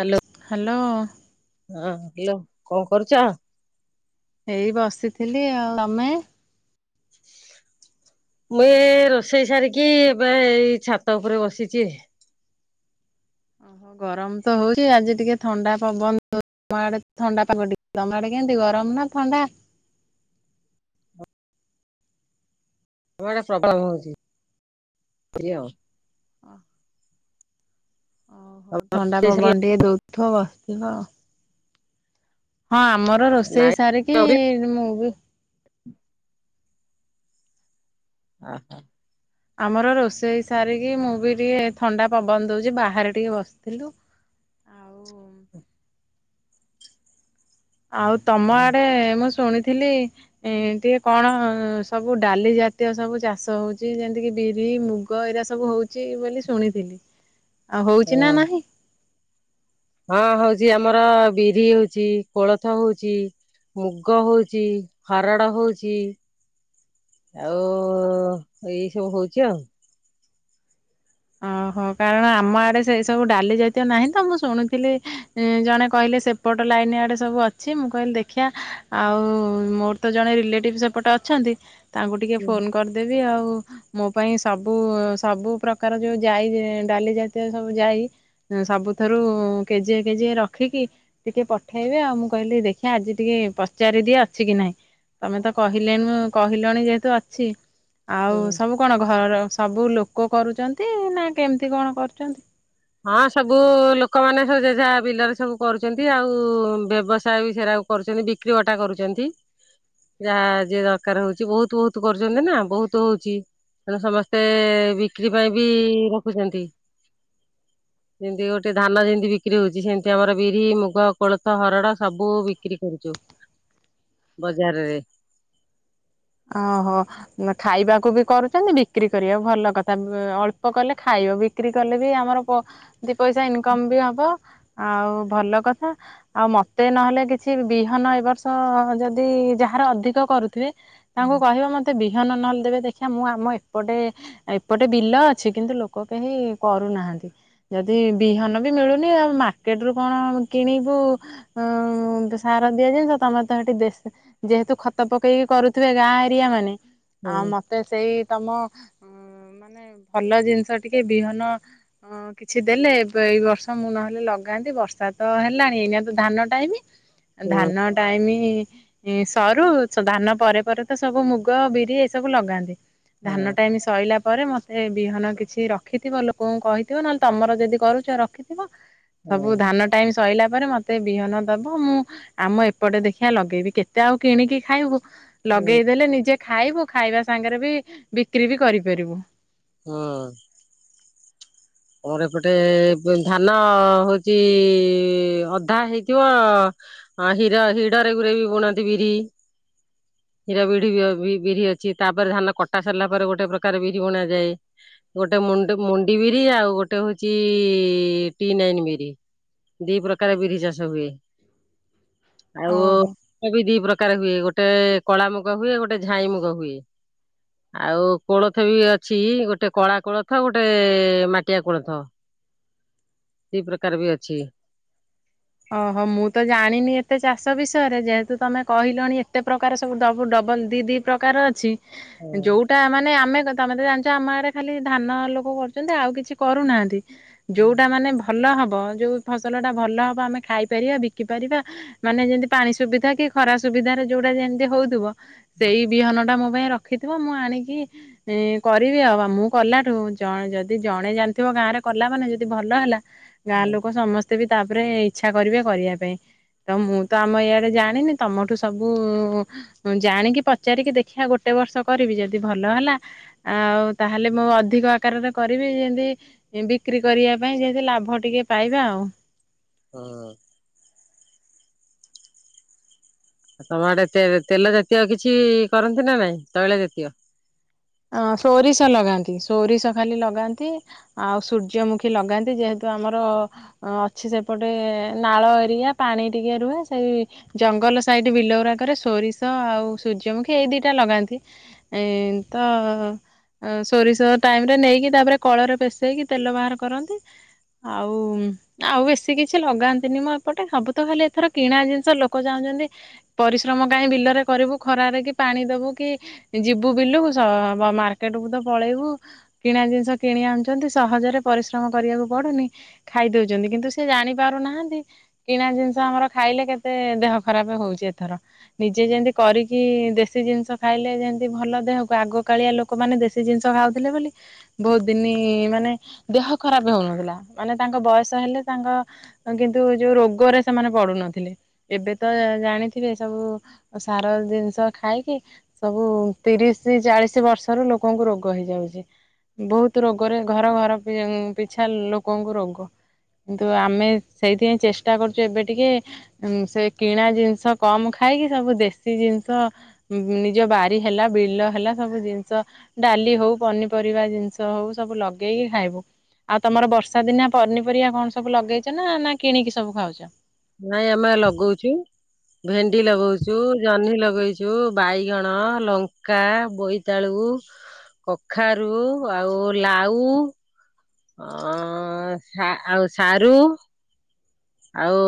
Hello. Hello. ହଁ hello କଣ କରୁଛ? ଏଇ ବସିଥିଲି ଆଉ। ତମେ? [inaudible] ମୁଁ ଏ ରୋଷେଇ ସାରିକି ଏବେ ଏଇ ଛାତ ଉପରେ ବସିଛି। ହ ଗରମ ତ ହଉଚି ଆଜି ଟିକେ ଥଣ୍ଡା ପବନ ଦଉ ଆମ ଆଡେ ଥଣ୍ଡା ପାଗ ଟିକେ। ତମ ଆଡେ କେମିତି ଗରମ ନା ଥଣ୍ଡା? ଆମ ଆଡେ ପ୍ରବଳ ହୋଉଛି। [unintelligible] ହଁ। ଅହ ଥଣ୍ଡା ରୋଷେଇ ପବନ ଟିକେ ଦଉଥିବ ବସିଥିବ। ହଁ ଆମର ସରିଲା ରୋଷେଇ ନାଇଁ ସାରିକି ମୁଁ ବି ଆହା। ଆମର ରୋଷେଇ ସାରିକି ମୁଁ ବି ଟିକେ ଥଣ୍ଡା ପବନ ଦେଉଛି ବାହାରେ ଟିକେ ବସିଥିଲୁ। ଆଉ ଆଉ ତମ ଆଡେ ମୁଁ ଶୁଣିଥିଲି ଏନ୍ତି କଣ ସବୁ ଡାଲି ଜାତୀୟ ସବୁ ଚାଷ ହଉଛି। ଯେମିତି କିି ବିରି ମୁ ଗ ଏଇରା ସବୁ ହୋଉଛି ବୋଲି ଶୁଣିଥିଲି। ଆଉ ହୋଉଛି ନା ନାହିଁ? ହଁ ହଉଛି ଆମର ବିରି ହୋଉଛି କୋଳଥ ହୋଉଛି। ମୁଗ ହଉଚି ହରଡ଼ ହଉଚି। ଆଉ ଏଇ ସବୁ ହଉଚି ଆଉ। ଅ ହ। କାରଣ ଆମ ଆଡେ ସେଇ ସବୁ ଡାଲି ଜାତୀୟ ନାହିଁ ତ ମୁଁ ଶୁଣୁଥିଲି ଜଣେ କହିଲେ ସେପଟ ଲାଇନ୍ ଆଡ଼େ ସବୁ ଅଛି। ମୁଁ କହିଲି ଦେଖିବା ଆଉ ମୋର ତ ଜଣେ ରିଲେଟିଭ୍ ସେପଟେ ଅଛନ୍ତି। ତାଙ୍କୁ ଟିକେ ହୁଁ। ଫୋନ୍ କରିଦେବି ଆଉ, ମୋ ପାଇଁ ସବୁ ସବୁ ପ୍ର କାର ଯୋଉ ଜାଇ ଡାଲି ଜାତୀୟ ସବୁ ଜାଇ ସବୁଥରୁ କେଜିଏ କେଜିଏ ରଖିକି ଟିକେ ପଠେଇବେ ଆଉ। ମୁଁ କହିଲି ଦେଖିଆ ଆଜି ଟିକେ ପଚାରି ଦିଏ ଅଛି କି ନାହିଁ। ତମେ ତ କହିଲେନୁ କହିଲଣି ଯେହେତୁ ଅଛି ଆଉ ସବୁ କଣ ଘର ସବୁ ଲୋକ କରୁଚନ୍ତି ନା କେମିତି କଣ କରୁଚନ୍ତି? ହଁ ସବୁ ଲୋକମାନେ ସବୁ ଜେଝା ବିଲରେ ସବୁ କରୁଛନ୍ତି। ଆଉ ବ୍ୟବସାୟ ବି ସେରା କରୁଚନ୍ତି ବିକ୍ରି ବଟା କରୁଚନ୍ତି। ଯାହା ଯିଏ ଦରକାର ହଉଚି, ବହୁତୁ ବହୁତୁ କରୁଛନ୍ତି ନା ବହୁତୁ ହଉଚି। ତେଣୁ ସମସ୍ତେ ବିକ୍ରି ପାଇଁ ବି ରଖୁଚନ୍ତି। ଯେମିତି ଗୋଟେ ଧାନ ଯେମିତି ବିକ୍ରି ହଉଚି, ସେମିତି ଆମର ବିରି, ମୁଗ, କୋଳଥ, ହରଡ଼ ସବୁ ବିକ୍ରି କରୁଚୁ। ବଜାରରେ। ଅ ହ। ନା ଖାଇବାକୁ ବି କରୁଚନ୍ତି। ବିକ୍ରି କରିବାକୁ, ଭଲ କଥା ଅଳ୍ପ କଲେ ଖାଇବ ବି ବିକ୍ରି କଲେ ବି ଆମର ପ ଦି ପଇସା ଇନକମ୍ ବି ହବ। ଆଉ ଭଲ କଥା। ଆଉ ମତେ ନହେଲେ କିଛି ବିହନ ଏ ବର୍ଷ ଯଦି ଯାହାର ଅଧିକ କରୁଥିବେ ତାଙ୍କୁ କହିବ ମତେ ବିହନ ନହେଲେ ଦେବେ ଦେଖିବା ମୁଁ ଆମ ଏପଟେ ଏପଟେ ବିଲ ଅଛି, କିନ୍ତୁ ଲୋକ କେହି କରୁନାହାନ୍ତି। ଯଦି ବିହନ ବି ମିଳୁନି, ଆଉ ମାର୍କେଟ ରୁ କଣ କିଣିବୁ ଉଁ ସାର ଦିଆ ଜିନିଷ, ତମେ ତ ସେଠି ଦେଶି ଯେହେତୁ ଖତ ପକେଇକି କରୁ ଥିବେ ଗାଁ ଏରିଆ ମାନେ, ହୁଁ ଆଉ ମତେ ସେଇ ତମ ମାନେ ଭଲ ଜିନିଷ ଟିକେ ବିହନ କିଛି ଦେଲେ ଏବେ ଏଇ ବର୍ଷ ମୁଁ ନହେଲେ ଲଗାନ୍ତି। ବର୍ଷା ତ ହେଲାଣି ଏଇନା ତ ଧାନ ଟାଇମ୍। ହ ଧାନ ଟାଇମି ସରୁ ଧାନ ପରେ ପରେ ତ ସବୁ ମୁଗ, ବିରି ଏ ସବୁ ଲଗାନ୍ତି। ହଁ ଧାନ ଟାଇମ୍ ଶଇଲା ପରେ ମତେ ବିହନ କିଛି ରଖିଥିବ ଲୋକଙ୍କୁ କହିଥିବ ନହେଲେ ତମର ଯଦି କରୁଚ ରଖିଥିବ। ହଁ ସବୁ ଧାନ ଟାଇମି ସଇଲା ପରେ ମତେ ବିହନ ଦବ। ମୁଁ ଆମ ଏପଟେ ଦେଖିଆ ଲଗେଇବି। କେତେ ଆଉ କିଣିକି ଖାଇବୁ। ହୁଁ ଲଗେଇଦେଲେ ନିଜେ ଖାଇବୁ। ଖାଇବା ସାଙ୍ଗରେ ବି ବିକ୍ରି ବି କରିପାରିବୁ। ହଁ। ଆମର ଏପଟେ ଧାନ ହଉଚ ଅଧା ହେଇଥିବ ହଁ ହିର ହିଡରେ ଗୁରେ ବି ବୁଣନ୍ତି ବିରି। ହିର ବିରି ବିରି ଅଛି। ତାପରେ ଧାନ କଟା ସରିଲା ପରେ ଗୋଟେ ପ୍ରକାର ବିରି ବୁଣାଯାଏ। ଗୋଟେ ମୁଣ୍ଡ୍ ମୁଣ୍ଡି ବିରି। ଆଉ ଗୋଟେ ହଉଛି ଟି ନାଇନ୍ ବିରି। ଦି ପ୍ରକାର ବିରି ଚାଷ ହୁଏ। ଆଉ ଓହୋ। ମୁଗ ବି ଦି ପ୍ରକାର ହୁଏ। ଗୋଟେ କଳା ମୁଗ ହୁଏ, ଗୋଟେ ଝାଇଁ ମୁଗ ହୁଏ। ଆଉ କୋଳଥ ବି ଅଛି, ଗୋଟେ କଳା କୋଳଥ ଗୋଟେ ମାଟିଆ କୋଳଥ। ଦି ପ୍ରକାର ବି ଅଛି। ଓହୋ। ମୁଁ ତ ଜାଣିନି ଏତେ ଚାଷ ବିଷୟରେ, ଯେହେତୁ ତମେ କହିଲଣି ଏତେ ପ୍ରକାର ସବୁ ଡବୁ ଡବଲ୍ ଦି ଦି ପ୍ରକାର ଅଛି ହଁ ଯୋଉ ଟା ମାନେ ଆମେ କଥାମେ ତ ଜାଣିଛ ଆମ ଆଡେ ଖାଲି ଧାନ ଲୋକ କରୁଛନ୍ତି ଆଉ କିଛି କରୁନାହାନ୍ତି। ଯୋଉଟା ମାନେ ଭଲ ହବ ଯୋଉ ଫସଲ ଟା ଭଲ ହବ ଆମେ ଖାଇ ପାରିବା ବିକି ପାରିବା ମାନେ ଯେମିତି ପାଣି ସୁବିଧା କି ଖରା ସୁବିଧାରେ ଯଉଟା ଯେମିତି ହଉଥିବ ସେଇ ବିହନ ଟା ମୋ ପାଇଁ ରଖିଥିବ ମୁଁ ଆଣିକି ଁ କରିବି ଆଉ। ବା ମୁଁ କଲାଠୁ ଜଣ ଯଦି ଜଣେ ଜାଣିଥିବ ଗାଁ ରେ କଲା ମାନେ ଯଦି ଭଲ ହେଲା ଗାଁ ଲୋକ ସମସ୍ତେ ବି ତାପରେ ଇଚ୍ଛା କରିବେ କରିବା ପାଇଁ। ତ ମୁଁ ତ ଆମ ଏଇଆଡେ ଜାଣିନି ତମଠୁ ସବୁ ଜାଣିକି ପଚାରିକି ଦେଖିବା ଗୋଟେ ବର୍ଷ କରିବି ଯଦି ଭଲ ହେଲା ଆଉ ତାହେଲେ ମୁଁ ଅଧିକ ଆକାରରେ କରିବି ଯେମିତି ବିକ୍ରି କରିବା ପାଇଁ ଯେମିତି ଲାଭ ଟିକେ ପାଇବା ଆଉ। ହଁ ଆଉ ଆଡେ ତେ ତେଲ ଜାତୀୟ କିଛି କରନ୍ତି ନା ନାଇଁ ତୈଳ ଜାତୀୟ? ଅ ସୋରିଷ ଲଗାନ୍ତି ସୋରିଷ ଖାଲି ଲଗାନ୍ତି। ଆଉ ସୂର୍ଯ୍ୟମୁଖୀ ଲଗାନ୍ତି ଯେହେତୁ ଆମର ଅ ଅଛି ସେପଟେ ନାଳ ଏରିଆ ପାଣି ଟିକେ ରୁହେ ସେଇ ଜଙ୍ଗଲ ସାଇଡ ବିଲଉରା। କରେ ସୋରିଷ ଆଉ ସୂର୍ଯ୍ୟମୁଖୀ ଏଇ ଦିଇଟା ଲଗାନ୍ତି। ଏତ ସୋରିଷ ଟାଇମ ରେ ନେଇକି ତାପରେ କଳରେ ପେସେଇକି ତେଲ ବାହାର କରନ୍ତି। ଆଉ ଆଉ ବେଶୀ କିଛି ଲଗାନ୍ତିନି ମୁଁ ଏପଟେ ସବୁ ତ ଖାଲି ଏଥର କିଣା ଜିନିଷ ଲୋକ ଚାହୁଁଛନ୍ତି ପରିଶ୍ରମ କାହିଁ ବିଲରେ କରିବୁ ଖରାରେ କି ପାଣି ଦବୁ କି ଯିବୁ ବିଲୁ ମାର୍କେଟକୁୁ ତ ପଳେଇବୁ କିଣା ଜିନିଷ କିଣି ଆଣୁଛନ୍ତି ସହଜରେ ପରିଶ୍ରମ କରିବାକୁ ପଡୁନି। ଖାଇଦଉଛନ୍ତି, କିନ୍ତୁ ସେ ଜାଣି ପାରୁନାହାନ୍ତି କିଣା ଜିନିଷ ଆମର ଖାଇଲେ କେତେ ଦେହ ଖରାପ ହଉଛି ଏଥର। ନିଜେ ଯେମତି କରିକି ଦେଶୀ ଜିନିଷ ଖାଇଲେ ଯେମତି ଭଲ ଦେହ ଆଗ କାଳିଆ ଲୋକମାନୋନ ଦେଶୀ ଜିନିଷ ଖାଉଥିଲେ ବୋଲି ବହୁତ ଦିନ ମାନେ ଦେହ ଖରାପ ହଉନଥିଲା। ମାନେ ତାଙ୍କ ବୟସ ହେଲେ ତାଙ୍କ କିନ୍ତୁ ଯୋଉ ରୋଗରେ ସେମାନେ ପଡୁନଥିଲେ। ଏବେ ତ ଜାଣିଥିବେ ସବୁ ସାର ଜିନିଷ ଖାଇକି ସବୁ ତିରିଶ ଚାଳିଶ ବର୍ଷରୁ ଲୋକଙ୍କୁ ରୋଗ ହେଇଯାଉଛି। ବହୁତ ରୋଗରେ ଘର ଘର ପିଛା ଲୋକଙ୍କୁ ରୋଗ। କିନ୍ତୁ ଆମେ ସେଇଥିପାଇଁ ଚେଷ୍ଟା କରୁଛୁ ଏବେ ଟିକେ ସେ କିଣା ଜିନିଷ କମ ଖାଇକି ସବୁ ଦେଶୀ ଜିନିଷ ନିଜ ବାରି ହେଲା ବିଲ ହେଲା ସବୁ ଜିନିଷ ଡାଲି ହଉ ପନିପରିବା ଜିନିଷ ହଉ ସବୁ ଲଗେଇକି ଖାଇବୁ। ଆଉ ତମର ବର୍ଷା ଦିନି ପନିପରିବା କଣ ସବୁ ଲଗେଇଛ ନା ନା କିଣିକି ସବୁ ଖାଉଛ। ନାଇଁ ଆମେ ଲଗଉଛୁ। ଭେଣ୍ଡି ଲଗଉଛୁ, ଜହ୍ନି ଲଗେଇଛୁ, ବାଇଗଣ, ଲଙ୍କା, ବୋଇ ଟାଳୁ, କଖାରୁ ଆଉ ଲାଉ। ଅ ଆଉ ସାରୁ। ଆଉ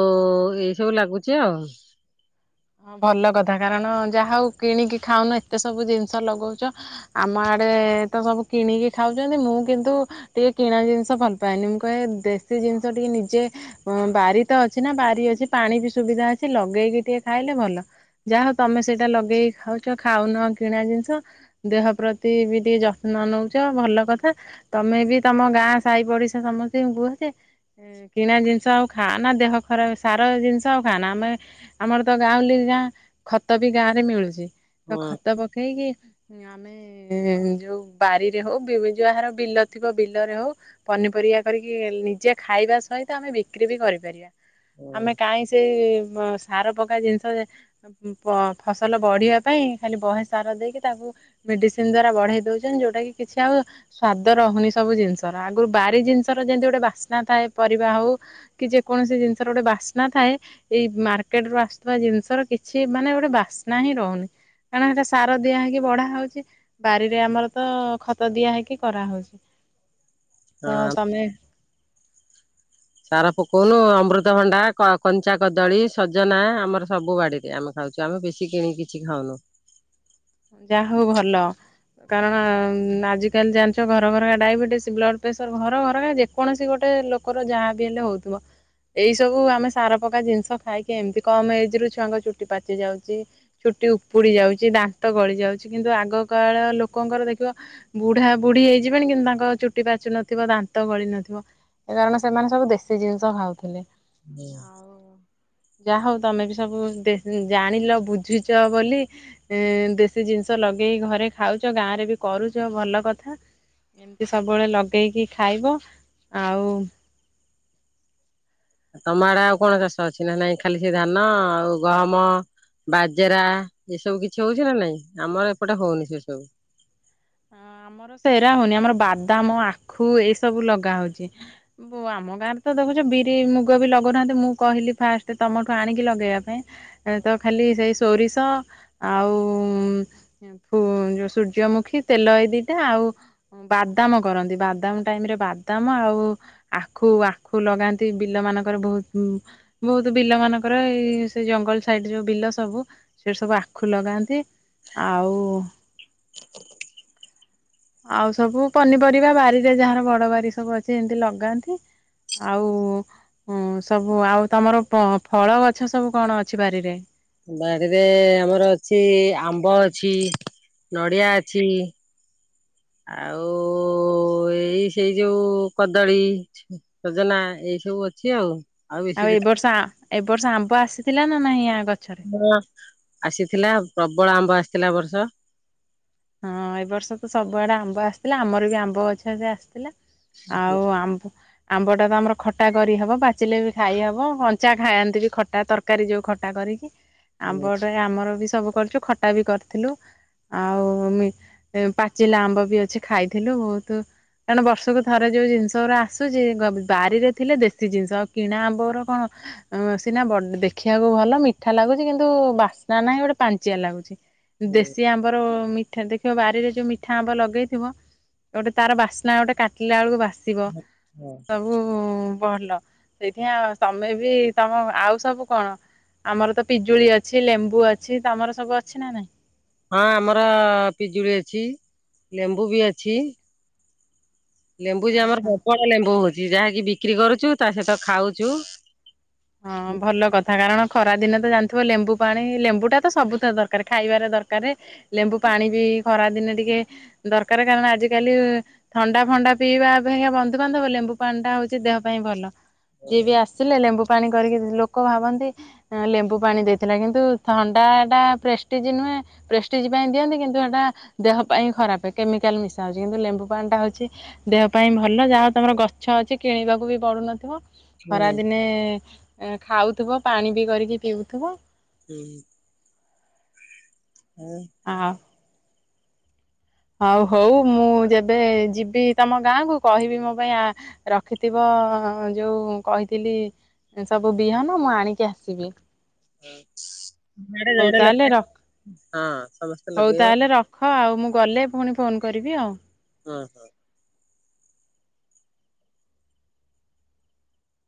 ଏଇସବୁ ଲାଗୁଛି ଆଉ। ହଁ ଭଲ କଥା କାରଣ ଯାହା ହଉ କିଣିକି ଖାଉନ ଏତେ ସବୁ ଜିନିଷ ଲଗଉଛ ଆମ ଆଡେ ତ ସବୁ କିଣିକି ଖାଉଛନ୍ତି। ମୁଁ କିନ୍ତୁ ଟିକେ କିଣା ଜିନିଷ ଭଲ ପାଏନି ମୁଁ କହେ ଦେଶୀ ଜିନିଷ ଟିକେ ନିଜେ ଉଁ ବାରି ତ ଅଛି ନା ବାରି ଅଛି ପାଣି ବି ସୁବିଧା ଅଛି ଲଗେଇକି ଟିକେ ଖାଇଲେ ଭଲ। ଯାହା ହଉ ତମେ ସେଇଟା ଲଗେଇକି ଖାଉଚ ଖାଉନ କିଣା ଜିନିଷ। ଦେହ ପ୍ରତି ବି ଟିକେ ଯତ୍ନ ନଉଚ ଭଲ କଥା। ତମେ ବି ତମ ଗାଁ ସାହି ପଡିଶା ସମସ୍ତେ କୁହନ୍ତେ କିଣା ଜିନିଷ ଆଉ ଖା ନା ଦେହ ଖରାପ ସାର ଜିନିଷ ଆଉ ଖାନ ଆମେ ଆମର ତ ଗାଁଉଲିଙ୍ଗ ଗାଁ ଖତ ବି ଗାଁ ରେ ମିଳୁଚି ତ ହୁଁ ଖତ ପକେଇକି ଆମେ ଏ ଯୋଉ ବାରିରେ ହଉ ବି ବି ଯାହାର ବିଲ ଥିବ ବିଲରେ ହଉ ପନିପରିବା କରିକି ନିଜେ ଖାଇବା ସହିତ ଆମେ ବିକ୍ରି ବି କରିପାରିବା। ହୁଁ ଆମେ କାଇଁ ସେ ବ୍ ସାର ପକା ଜିନିଷ ପ ଫସଲ ବଢିବା ପାଇଁ ଖାଲି ବହେ ସାର ଦେଇକି ତାକୁ ମେଡିସିନ ଦ୍ଵାରା ବଢେଇ ଦଉଛନ୍ ଯୋଉଟା କି କିଛି ଆଉ ସ୍ଵାଦ ରହୁନି ସବୁ ଜିନିଷର ଆଗୁରୁ ବାରି ଜିନିଷର ଯେମିତି ଗୋଟେ ବାସ୍ନା ଥାଏ ପରିବା ହଉ କି ଯେକୌଣସି ଜିନିଷ ର ଗୋଟେ ବାସ୍ନା ଥାଏ ଏଇ ମାର୍କେଟ ରୁ ଆସୁ ଥିବା ଜିନଷର କିଛି ମାନେ ଗୋଟେ ବାସ୍ନା ହିଁ ରହୁନି। କାରଣ ହେଟା ସାର ଦିଆହେଇକି ବଢା ହଉଚି ବାରିରେ ଆମର ତ ଖତ ଦିଆ ହେଇକି କରାହଉଚି। ହଁ ତମେ ସାର ପକଉନୁ ଅମୃତଭଣ୍ଡା କ କଞ୍ଚା କଦଳୀ ସଜନା ଆମର ସବୁ ବାଡିରେ ଆମେ ଖାଉଚୁ ଆମେ ବେଶୀ କିଣିକି କିଛି ଖାଉନୁ। ଯା ହଉ ଭଲ। କାରଣ ଆଜି କାଲି ଜାନଚ ଘର ଘରକା ଡାଇବେଟିସ୍ ବ୍ଲଡ ପ୍ରେସର ଘର ଘରକା ଯେ କୌଣସି ଗୋଟେ ଲୋକର ଯାହା ବି ହେଲେ ହଉଥିବ। ଏଇ ସବୁ ଆମେ ସାର ପକା ଜିନିଷ ଖାଇକି ଏମତି କମ ଏଜ ରୁ ଛୁଆଙ୍କ ଚୁଟି ପାଚି ଯାଉଚି। ଚୁଟି ଉପୁଡି ଯାଉଚି ଦାନ୍ତ ଗଳି ଯାଉଛି କିନ୍ତୁ ଆଗକାଳ ଲୋକଙ୍କର ଦେଖିବ ବୁଢା ବୁଢୀ ହେଇଯିବେଣି କିନ୍ତୁ ତାଙ୍କ ଚୁଟି ପାଚୁ ନଥିବ ଦାନ୍ତ ଗଳି ନଥିବ। ଏ କାରଣ ସେମାନେ ସବୁ ଦେଶୀ ଜିନିଷ ଖାଉଥିଲେ ଆଉ। ଯାହା ହୋଉ ତମେ ବି ସବୁ ଜାଣିଲ ବୁଝିଚ ବୋଲି ଇଁ ଦେଶୀ ଜିନିଷ ଲଗେଇ ଘରେ ଖାଉଚ ଗାଁରେ ବି କରୁଚ ଭଲ କଥା। ଏମିତି ସବୁବେଳେ ଲଗେଇକି ଖାଇବ ଆଉ। ତମଆଡେ ଆଉ କଣ ଚାଷ ଅଛି ନା ନାଇଁ ଖାଲି ସେଇ ଧାନ ଆଉ ଗହମ। ବାଜେରା ଏସବୁ କିଛି ହଉଛି ନା ନାଇଁ ଆମର ଏପଟେ ହୋଉ ନି ସେ ସବୁ। ହଁ ଆମର ସେରା ହୋଉନି ଆମର ବାଦାମ ଆଖୁ ଏଇ ସବୁ ଲଗା ହଉଚି। ବୋ ଆମ ଗାଁରେ ତ ଦେଖୁଚ ବିରି ମୁଗ ବି ଲଗୁଉନାହାନ୍ତି ମୁଁ କହିଲି ଫାଷ୍ଟ ତମଠୁ ଆଣିକି ଲଗେଇବା ପାଇଁ। ତ ଖାଲି ସେଇ ସୋରିଷ ଆଉ ଯେ ଫୁ ଯୋଉ ସୂର୍ଯ୍ୟମୁଖୀ ତେଲ ଏଇ ଦିଇଟା ଆଉ। ବାଦାମ କରନ୍ତି ବାଦାମ ଟାଇମରେ ବାଦାମ ଆଉ। ଆଖୁ ଆଖୁ ଲଗାନ୍ତି ବିଲ ମାନଙ୍କରେ ବୋହୁତ ବୋହୁତ ବିଲ ମାନଙ୍କର ଏଇ ସେ ଜଙ୍ଗଲ ସାଇଟ୍ ଯୋଉ ବିଲ ସବୁ। ସେଇଠି ସବୁ ଆଖୁ ଲଗାନ୍ତି ଆଉ। ଆଉ ସବୁ ପନିପରିବା ବାରିରେ ଯାହାର ବଡ ବାରି ସବୁ ଅଛି ଏମିତି ସବୁ ଲଗାନ୍ତି। ଆଉ। ହଁ ସବୁ ଆଉ ତମର ଫଳ ଗଛ ସବୁ କଣ ଅଛି ବାରିରେ? ବାଡିରେ ଆମର ଅଛି ଆମ୍ବ ଅଛି ନଡିଆ ଅଛି। ଆଉ ଓ ଏଇ ସେଇ ଯୋଉ କଦଳୀ ସଜନା ଏଇ ସବୁ ଅଛି ଆଉ। ବେଶୀ ଆଉ ଏ କିଛି ବର୍ଷ ଆ ଏବ ବର୍ଷ ଆମ୍ବ ଆସିଥିଲା ନା ନାହିଁ ୟା ଗଛରେ। ହ ଆସିଥିଲା ପ୍ରବଳ ଆମ୍ବ ଆସିଥିଲା ଏ ବର୍ଷ। ହଁ ଏ ବର୍ଷ ତ ସବୁଆଡେ ଆମ୍ବ ଆସିଥିଲା ଆମର ବି ଆମ୍ବ ଗଛ ରେ ଆସିଥିଲା। ଆଉ ଆମ୍ବ ଆମ୍ବ ଟା ତ ଆମର ଖଟା କରିହବ ପାଚିଲେ ବି ଖାଇହବ କଞ୍ଚା ଖାଆୟାନ୍ତି ବି ଖଟା ତରକାରୀ ଯୋଉ ଖଟା କରି ଆମ୍ବଟେ ଆମର ବି ସବୁ କରିଛୁ ଖଟା ବି କରିଥିଲୁ ଆଉ ମମି ପାଚିଲା ଆମ୍ବ ବି ଅଛି ଖାଇଥିଲୁ ବହୁତ କାରଣ ବର୍ଷକୁ ଥରେ ଯୋଉ ଜିନିଷଗୁରା ଆସୁଛି ବାରିରେ ଥିଲେ ଦେଶୀ ଜିନିଷ କିଣା ଆମ୍ବର କଣ ସିନା ଦେଖିବାକୁ ଭଲ ମିଠା ଲାଗୁଛି କିନ୍ତୁ ବାସ୍ନା ନାହିଁ ଗୋଟେ ପାଞ୍ଚିଆ ଲାଗୁଛି। ଦେଶୀ ଆମ୍ବର ମି ଠ ଦେଖିବ ବାରିରେ ଯୋଉ ମିଠା ଆମ୍ବ ଲଗେଇଥିବ ଗୋଟେ ତାର ବାସ୍ନା ଗୋଟେ କାଟିଲା ବେଳକୁ ବାସ୍ନା ଆସିବ ସବୁ ହୁଁ ଭଲ ସେଇଠି ତମେ ବି ତମ ଆଉ ସବୁ କଣ। ଆମର ତ ପିଜୁଳି ଅଛି ଲେମ୍ବୁ ଅଛି ତମର ସବୁ ଅଛି ନା ନାଇଁ? ହଁ ଆମର ପିଜୁଳି ଅଛି ଲେମ୍ବୁ ବି ଅଛି। ଲେମ୍ବୁ ଯେ ଆମର ପ୍ରବଳ ଲେମ୍ବୁ ହଉଛି ଯାହାକି ବିକ୍ରି କରୁଛୁ ତା ସହିତ ଖାଉଛୁ। ହଁ ହୁଁ ଭଲ କଥା କାରଣ ଖରା ଦିନେ ତ ଜାଣିଥିବ ଲେମ୍ବୁ ପାଣି ଲେମ୍ବୁ ଟା ତ ସବୁଥିରେ ଦରକାର ଖାଇବାରେ ଦରକାର। ଲେମ୍ବୁ ପାଣି ବି ଖରା ଦିନେ ଟିକେ ଦରକାର କାରଣ ଆଜିିକାଲି ଥଣ୍ଡା ଫଣ୍ଡା ପିଇବା ଅପେକ୍ଷା ବନ୍ଧୁବାନ୍ଧବ ଲେମ୍ବୁ ପାଣି ଟା ହଉଛି ଦେହ ପାଇଁ ଭଲ। ଯିଏ ବି ଆସିଲେ ଲେମ୍ବୁ ପାଣି କରିକି ଲୋକ ଭାବନ୍ତି ଲେମ୍ବୁ ପାଣି ଦେଇଥିଲା କିନ୍ତୁ ଥଣ୍ଡା ଟା ପ୍ରେଷ୍ଟିଜ ନୁହେଁ ପ୍ରେଷ୍ଟିଜି ପାଇଁ ଦିଅନ୍ତି କିନ୍ତୁ ହେଟା ଦେହ ପାଇଁ ଖରାପ କେମିକାଲ୍ ମିଶାହଉଛି କିନ୍ତୁ ଲେମ୍ବୁ ପାଣିଟା ହଉଛି ଦେହ ପାଇଁ ଭଲ ଯାହାହଉ ତମର ଗଛ ଅଛି କିଣିବାକୁ ବି ପଡୁନଥିବ। ଜଣେ ଖରାଦିନେ ଖାଉଥିବ ପାଣି ବି କରିକି ପିଉଥିବ। ହୁଁ ହ ହୁଁ। ଆ। ହଉ ହଉ ମୁଁ ଯେବେ ଯିବି ତମ ଗାଁକୁ କହିବି ମୋ ପାଇଁ ଆ ରଖିଥିବ ଯୋଉ କହିଥିଲି ସେ ସବୁ ବିହନ ମୁଁ ଆଣିକି ଆସିବି। [unintelligible] ହଉ ତାହେଲେ ରଖ ହଁ ସମସ୍ତେ ଲଗେଇବ। ହ ଆଉ ମୁଁ ଗଲେ ପୁଣି ଫୋନ୍ କରିବି ଆଉ। ହଁ ହଁ।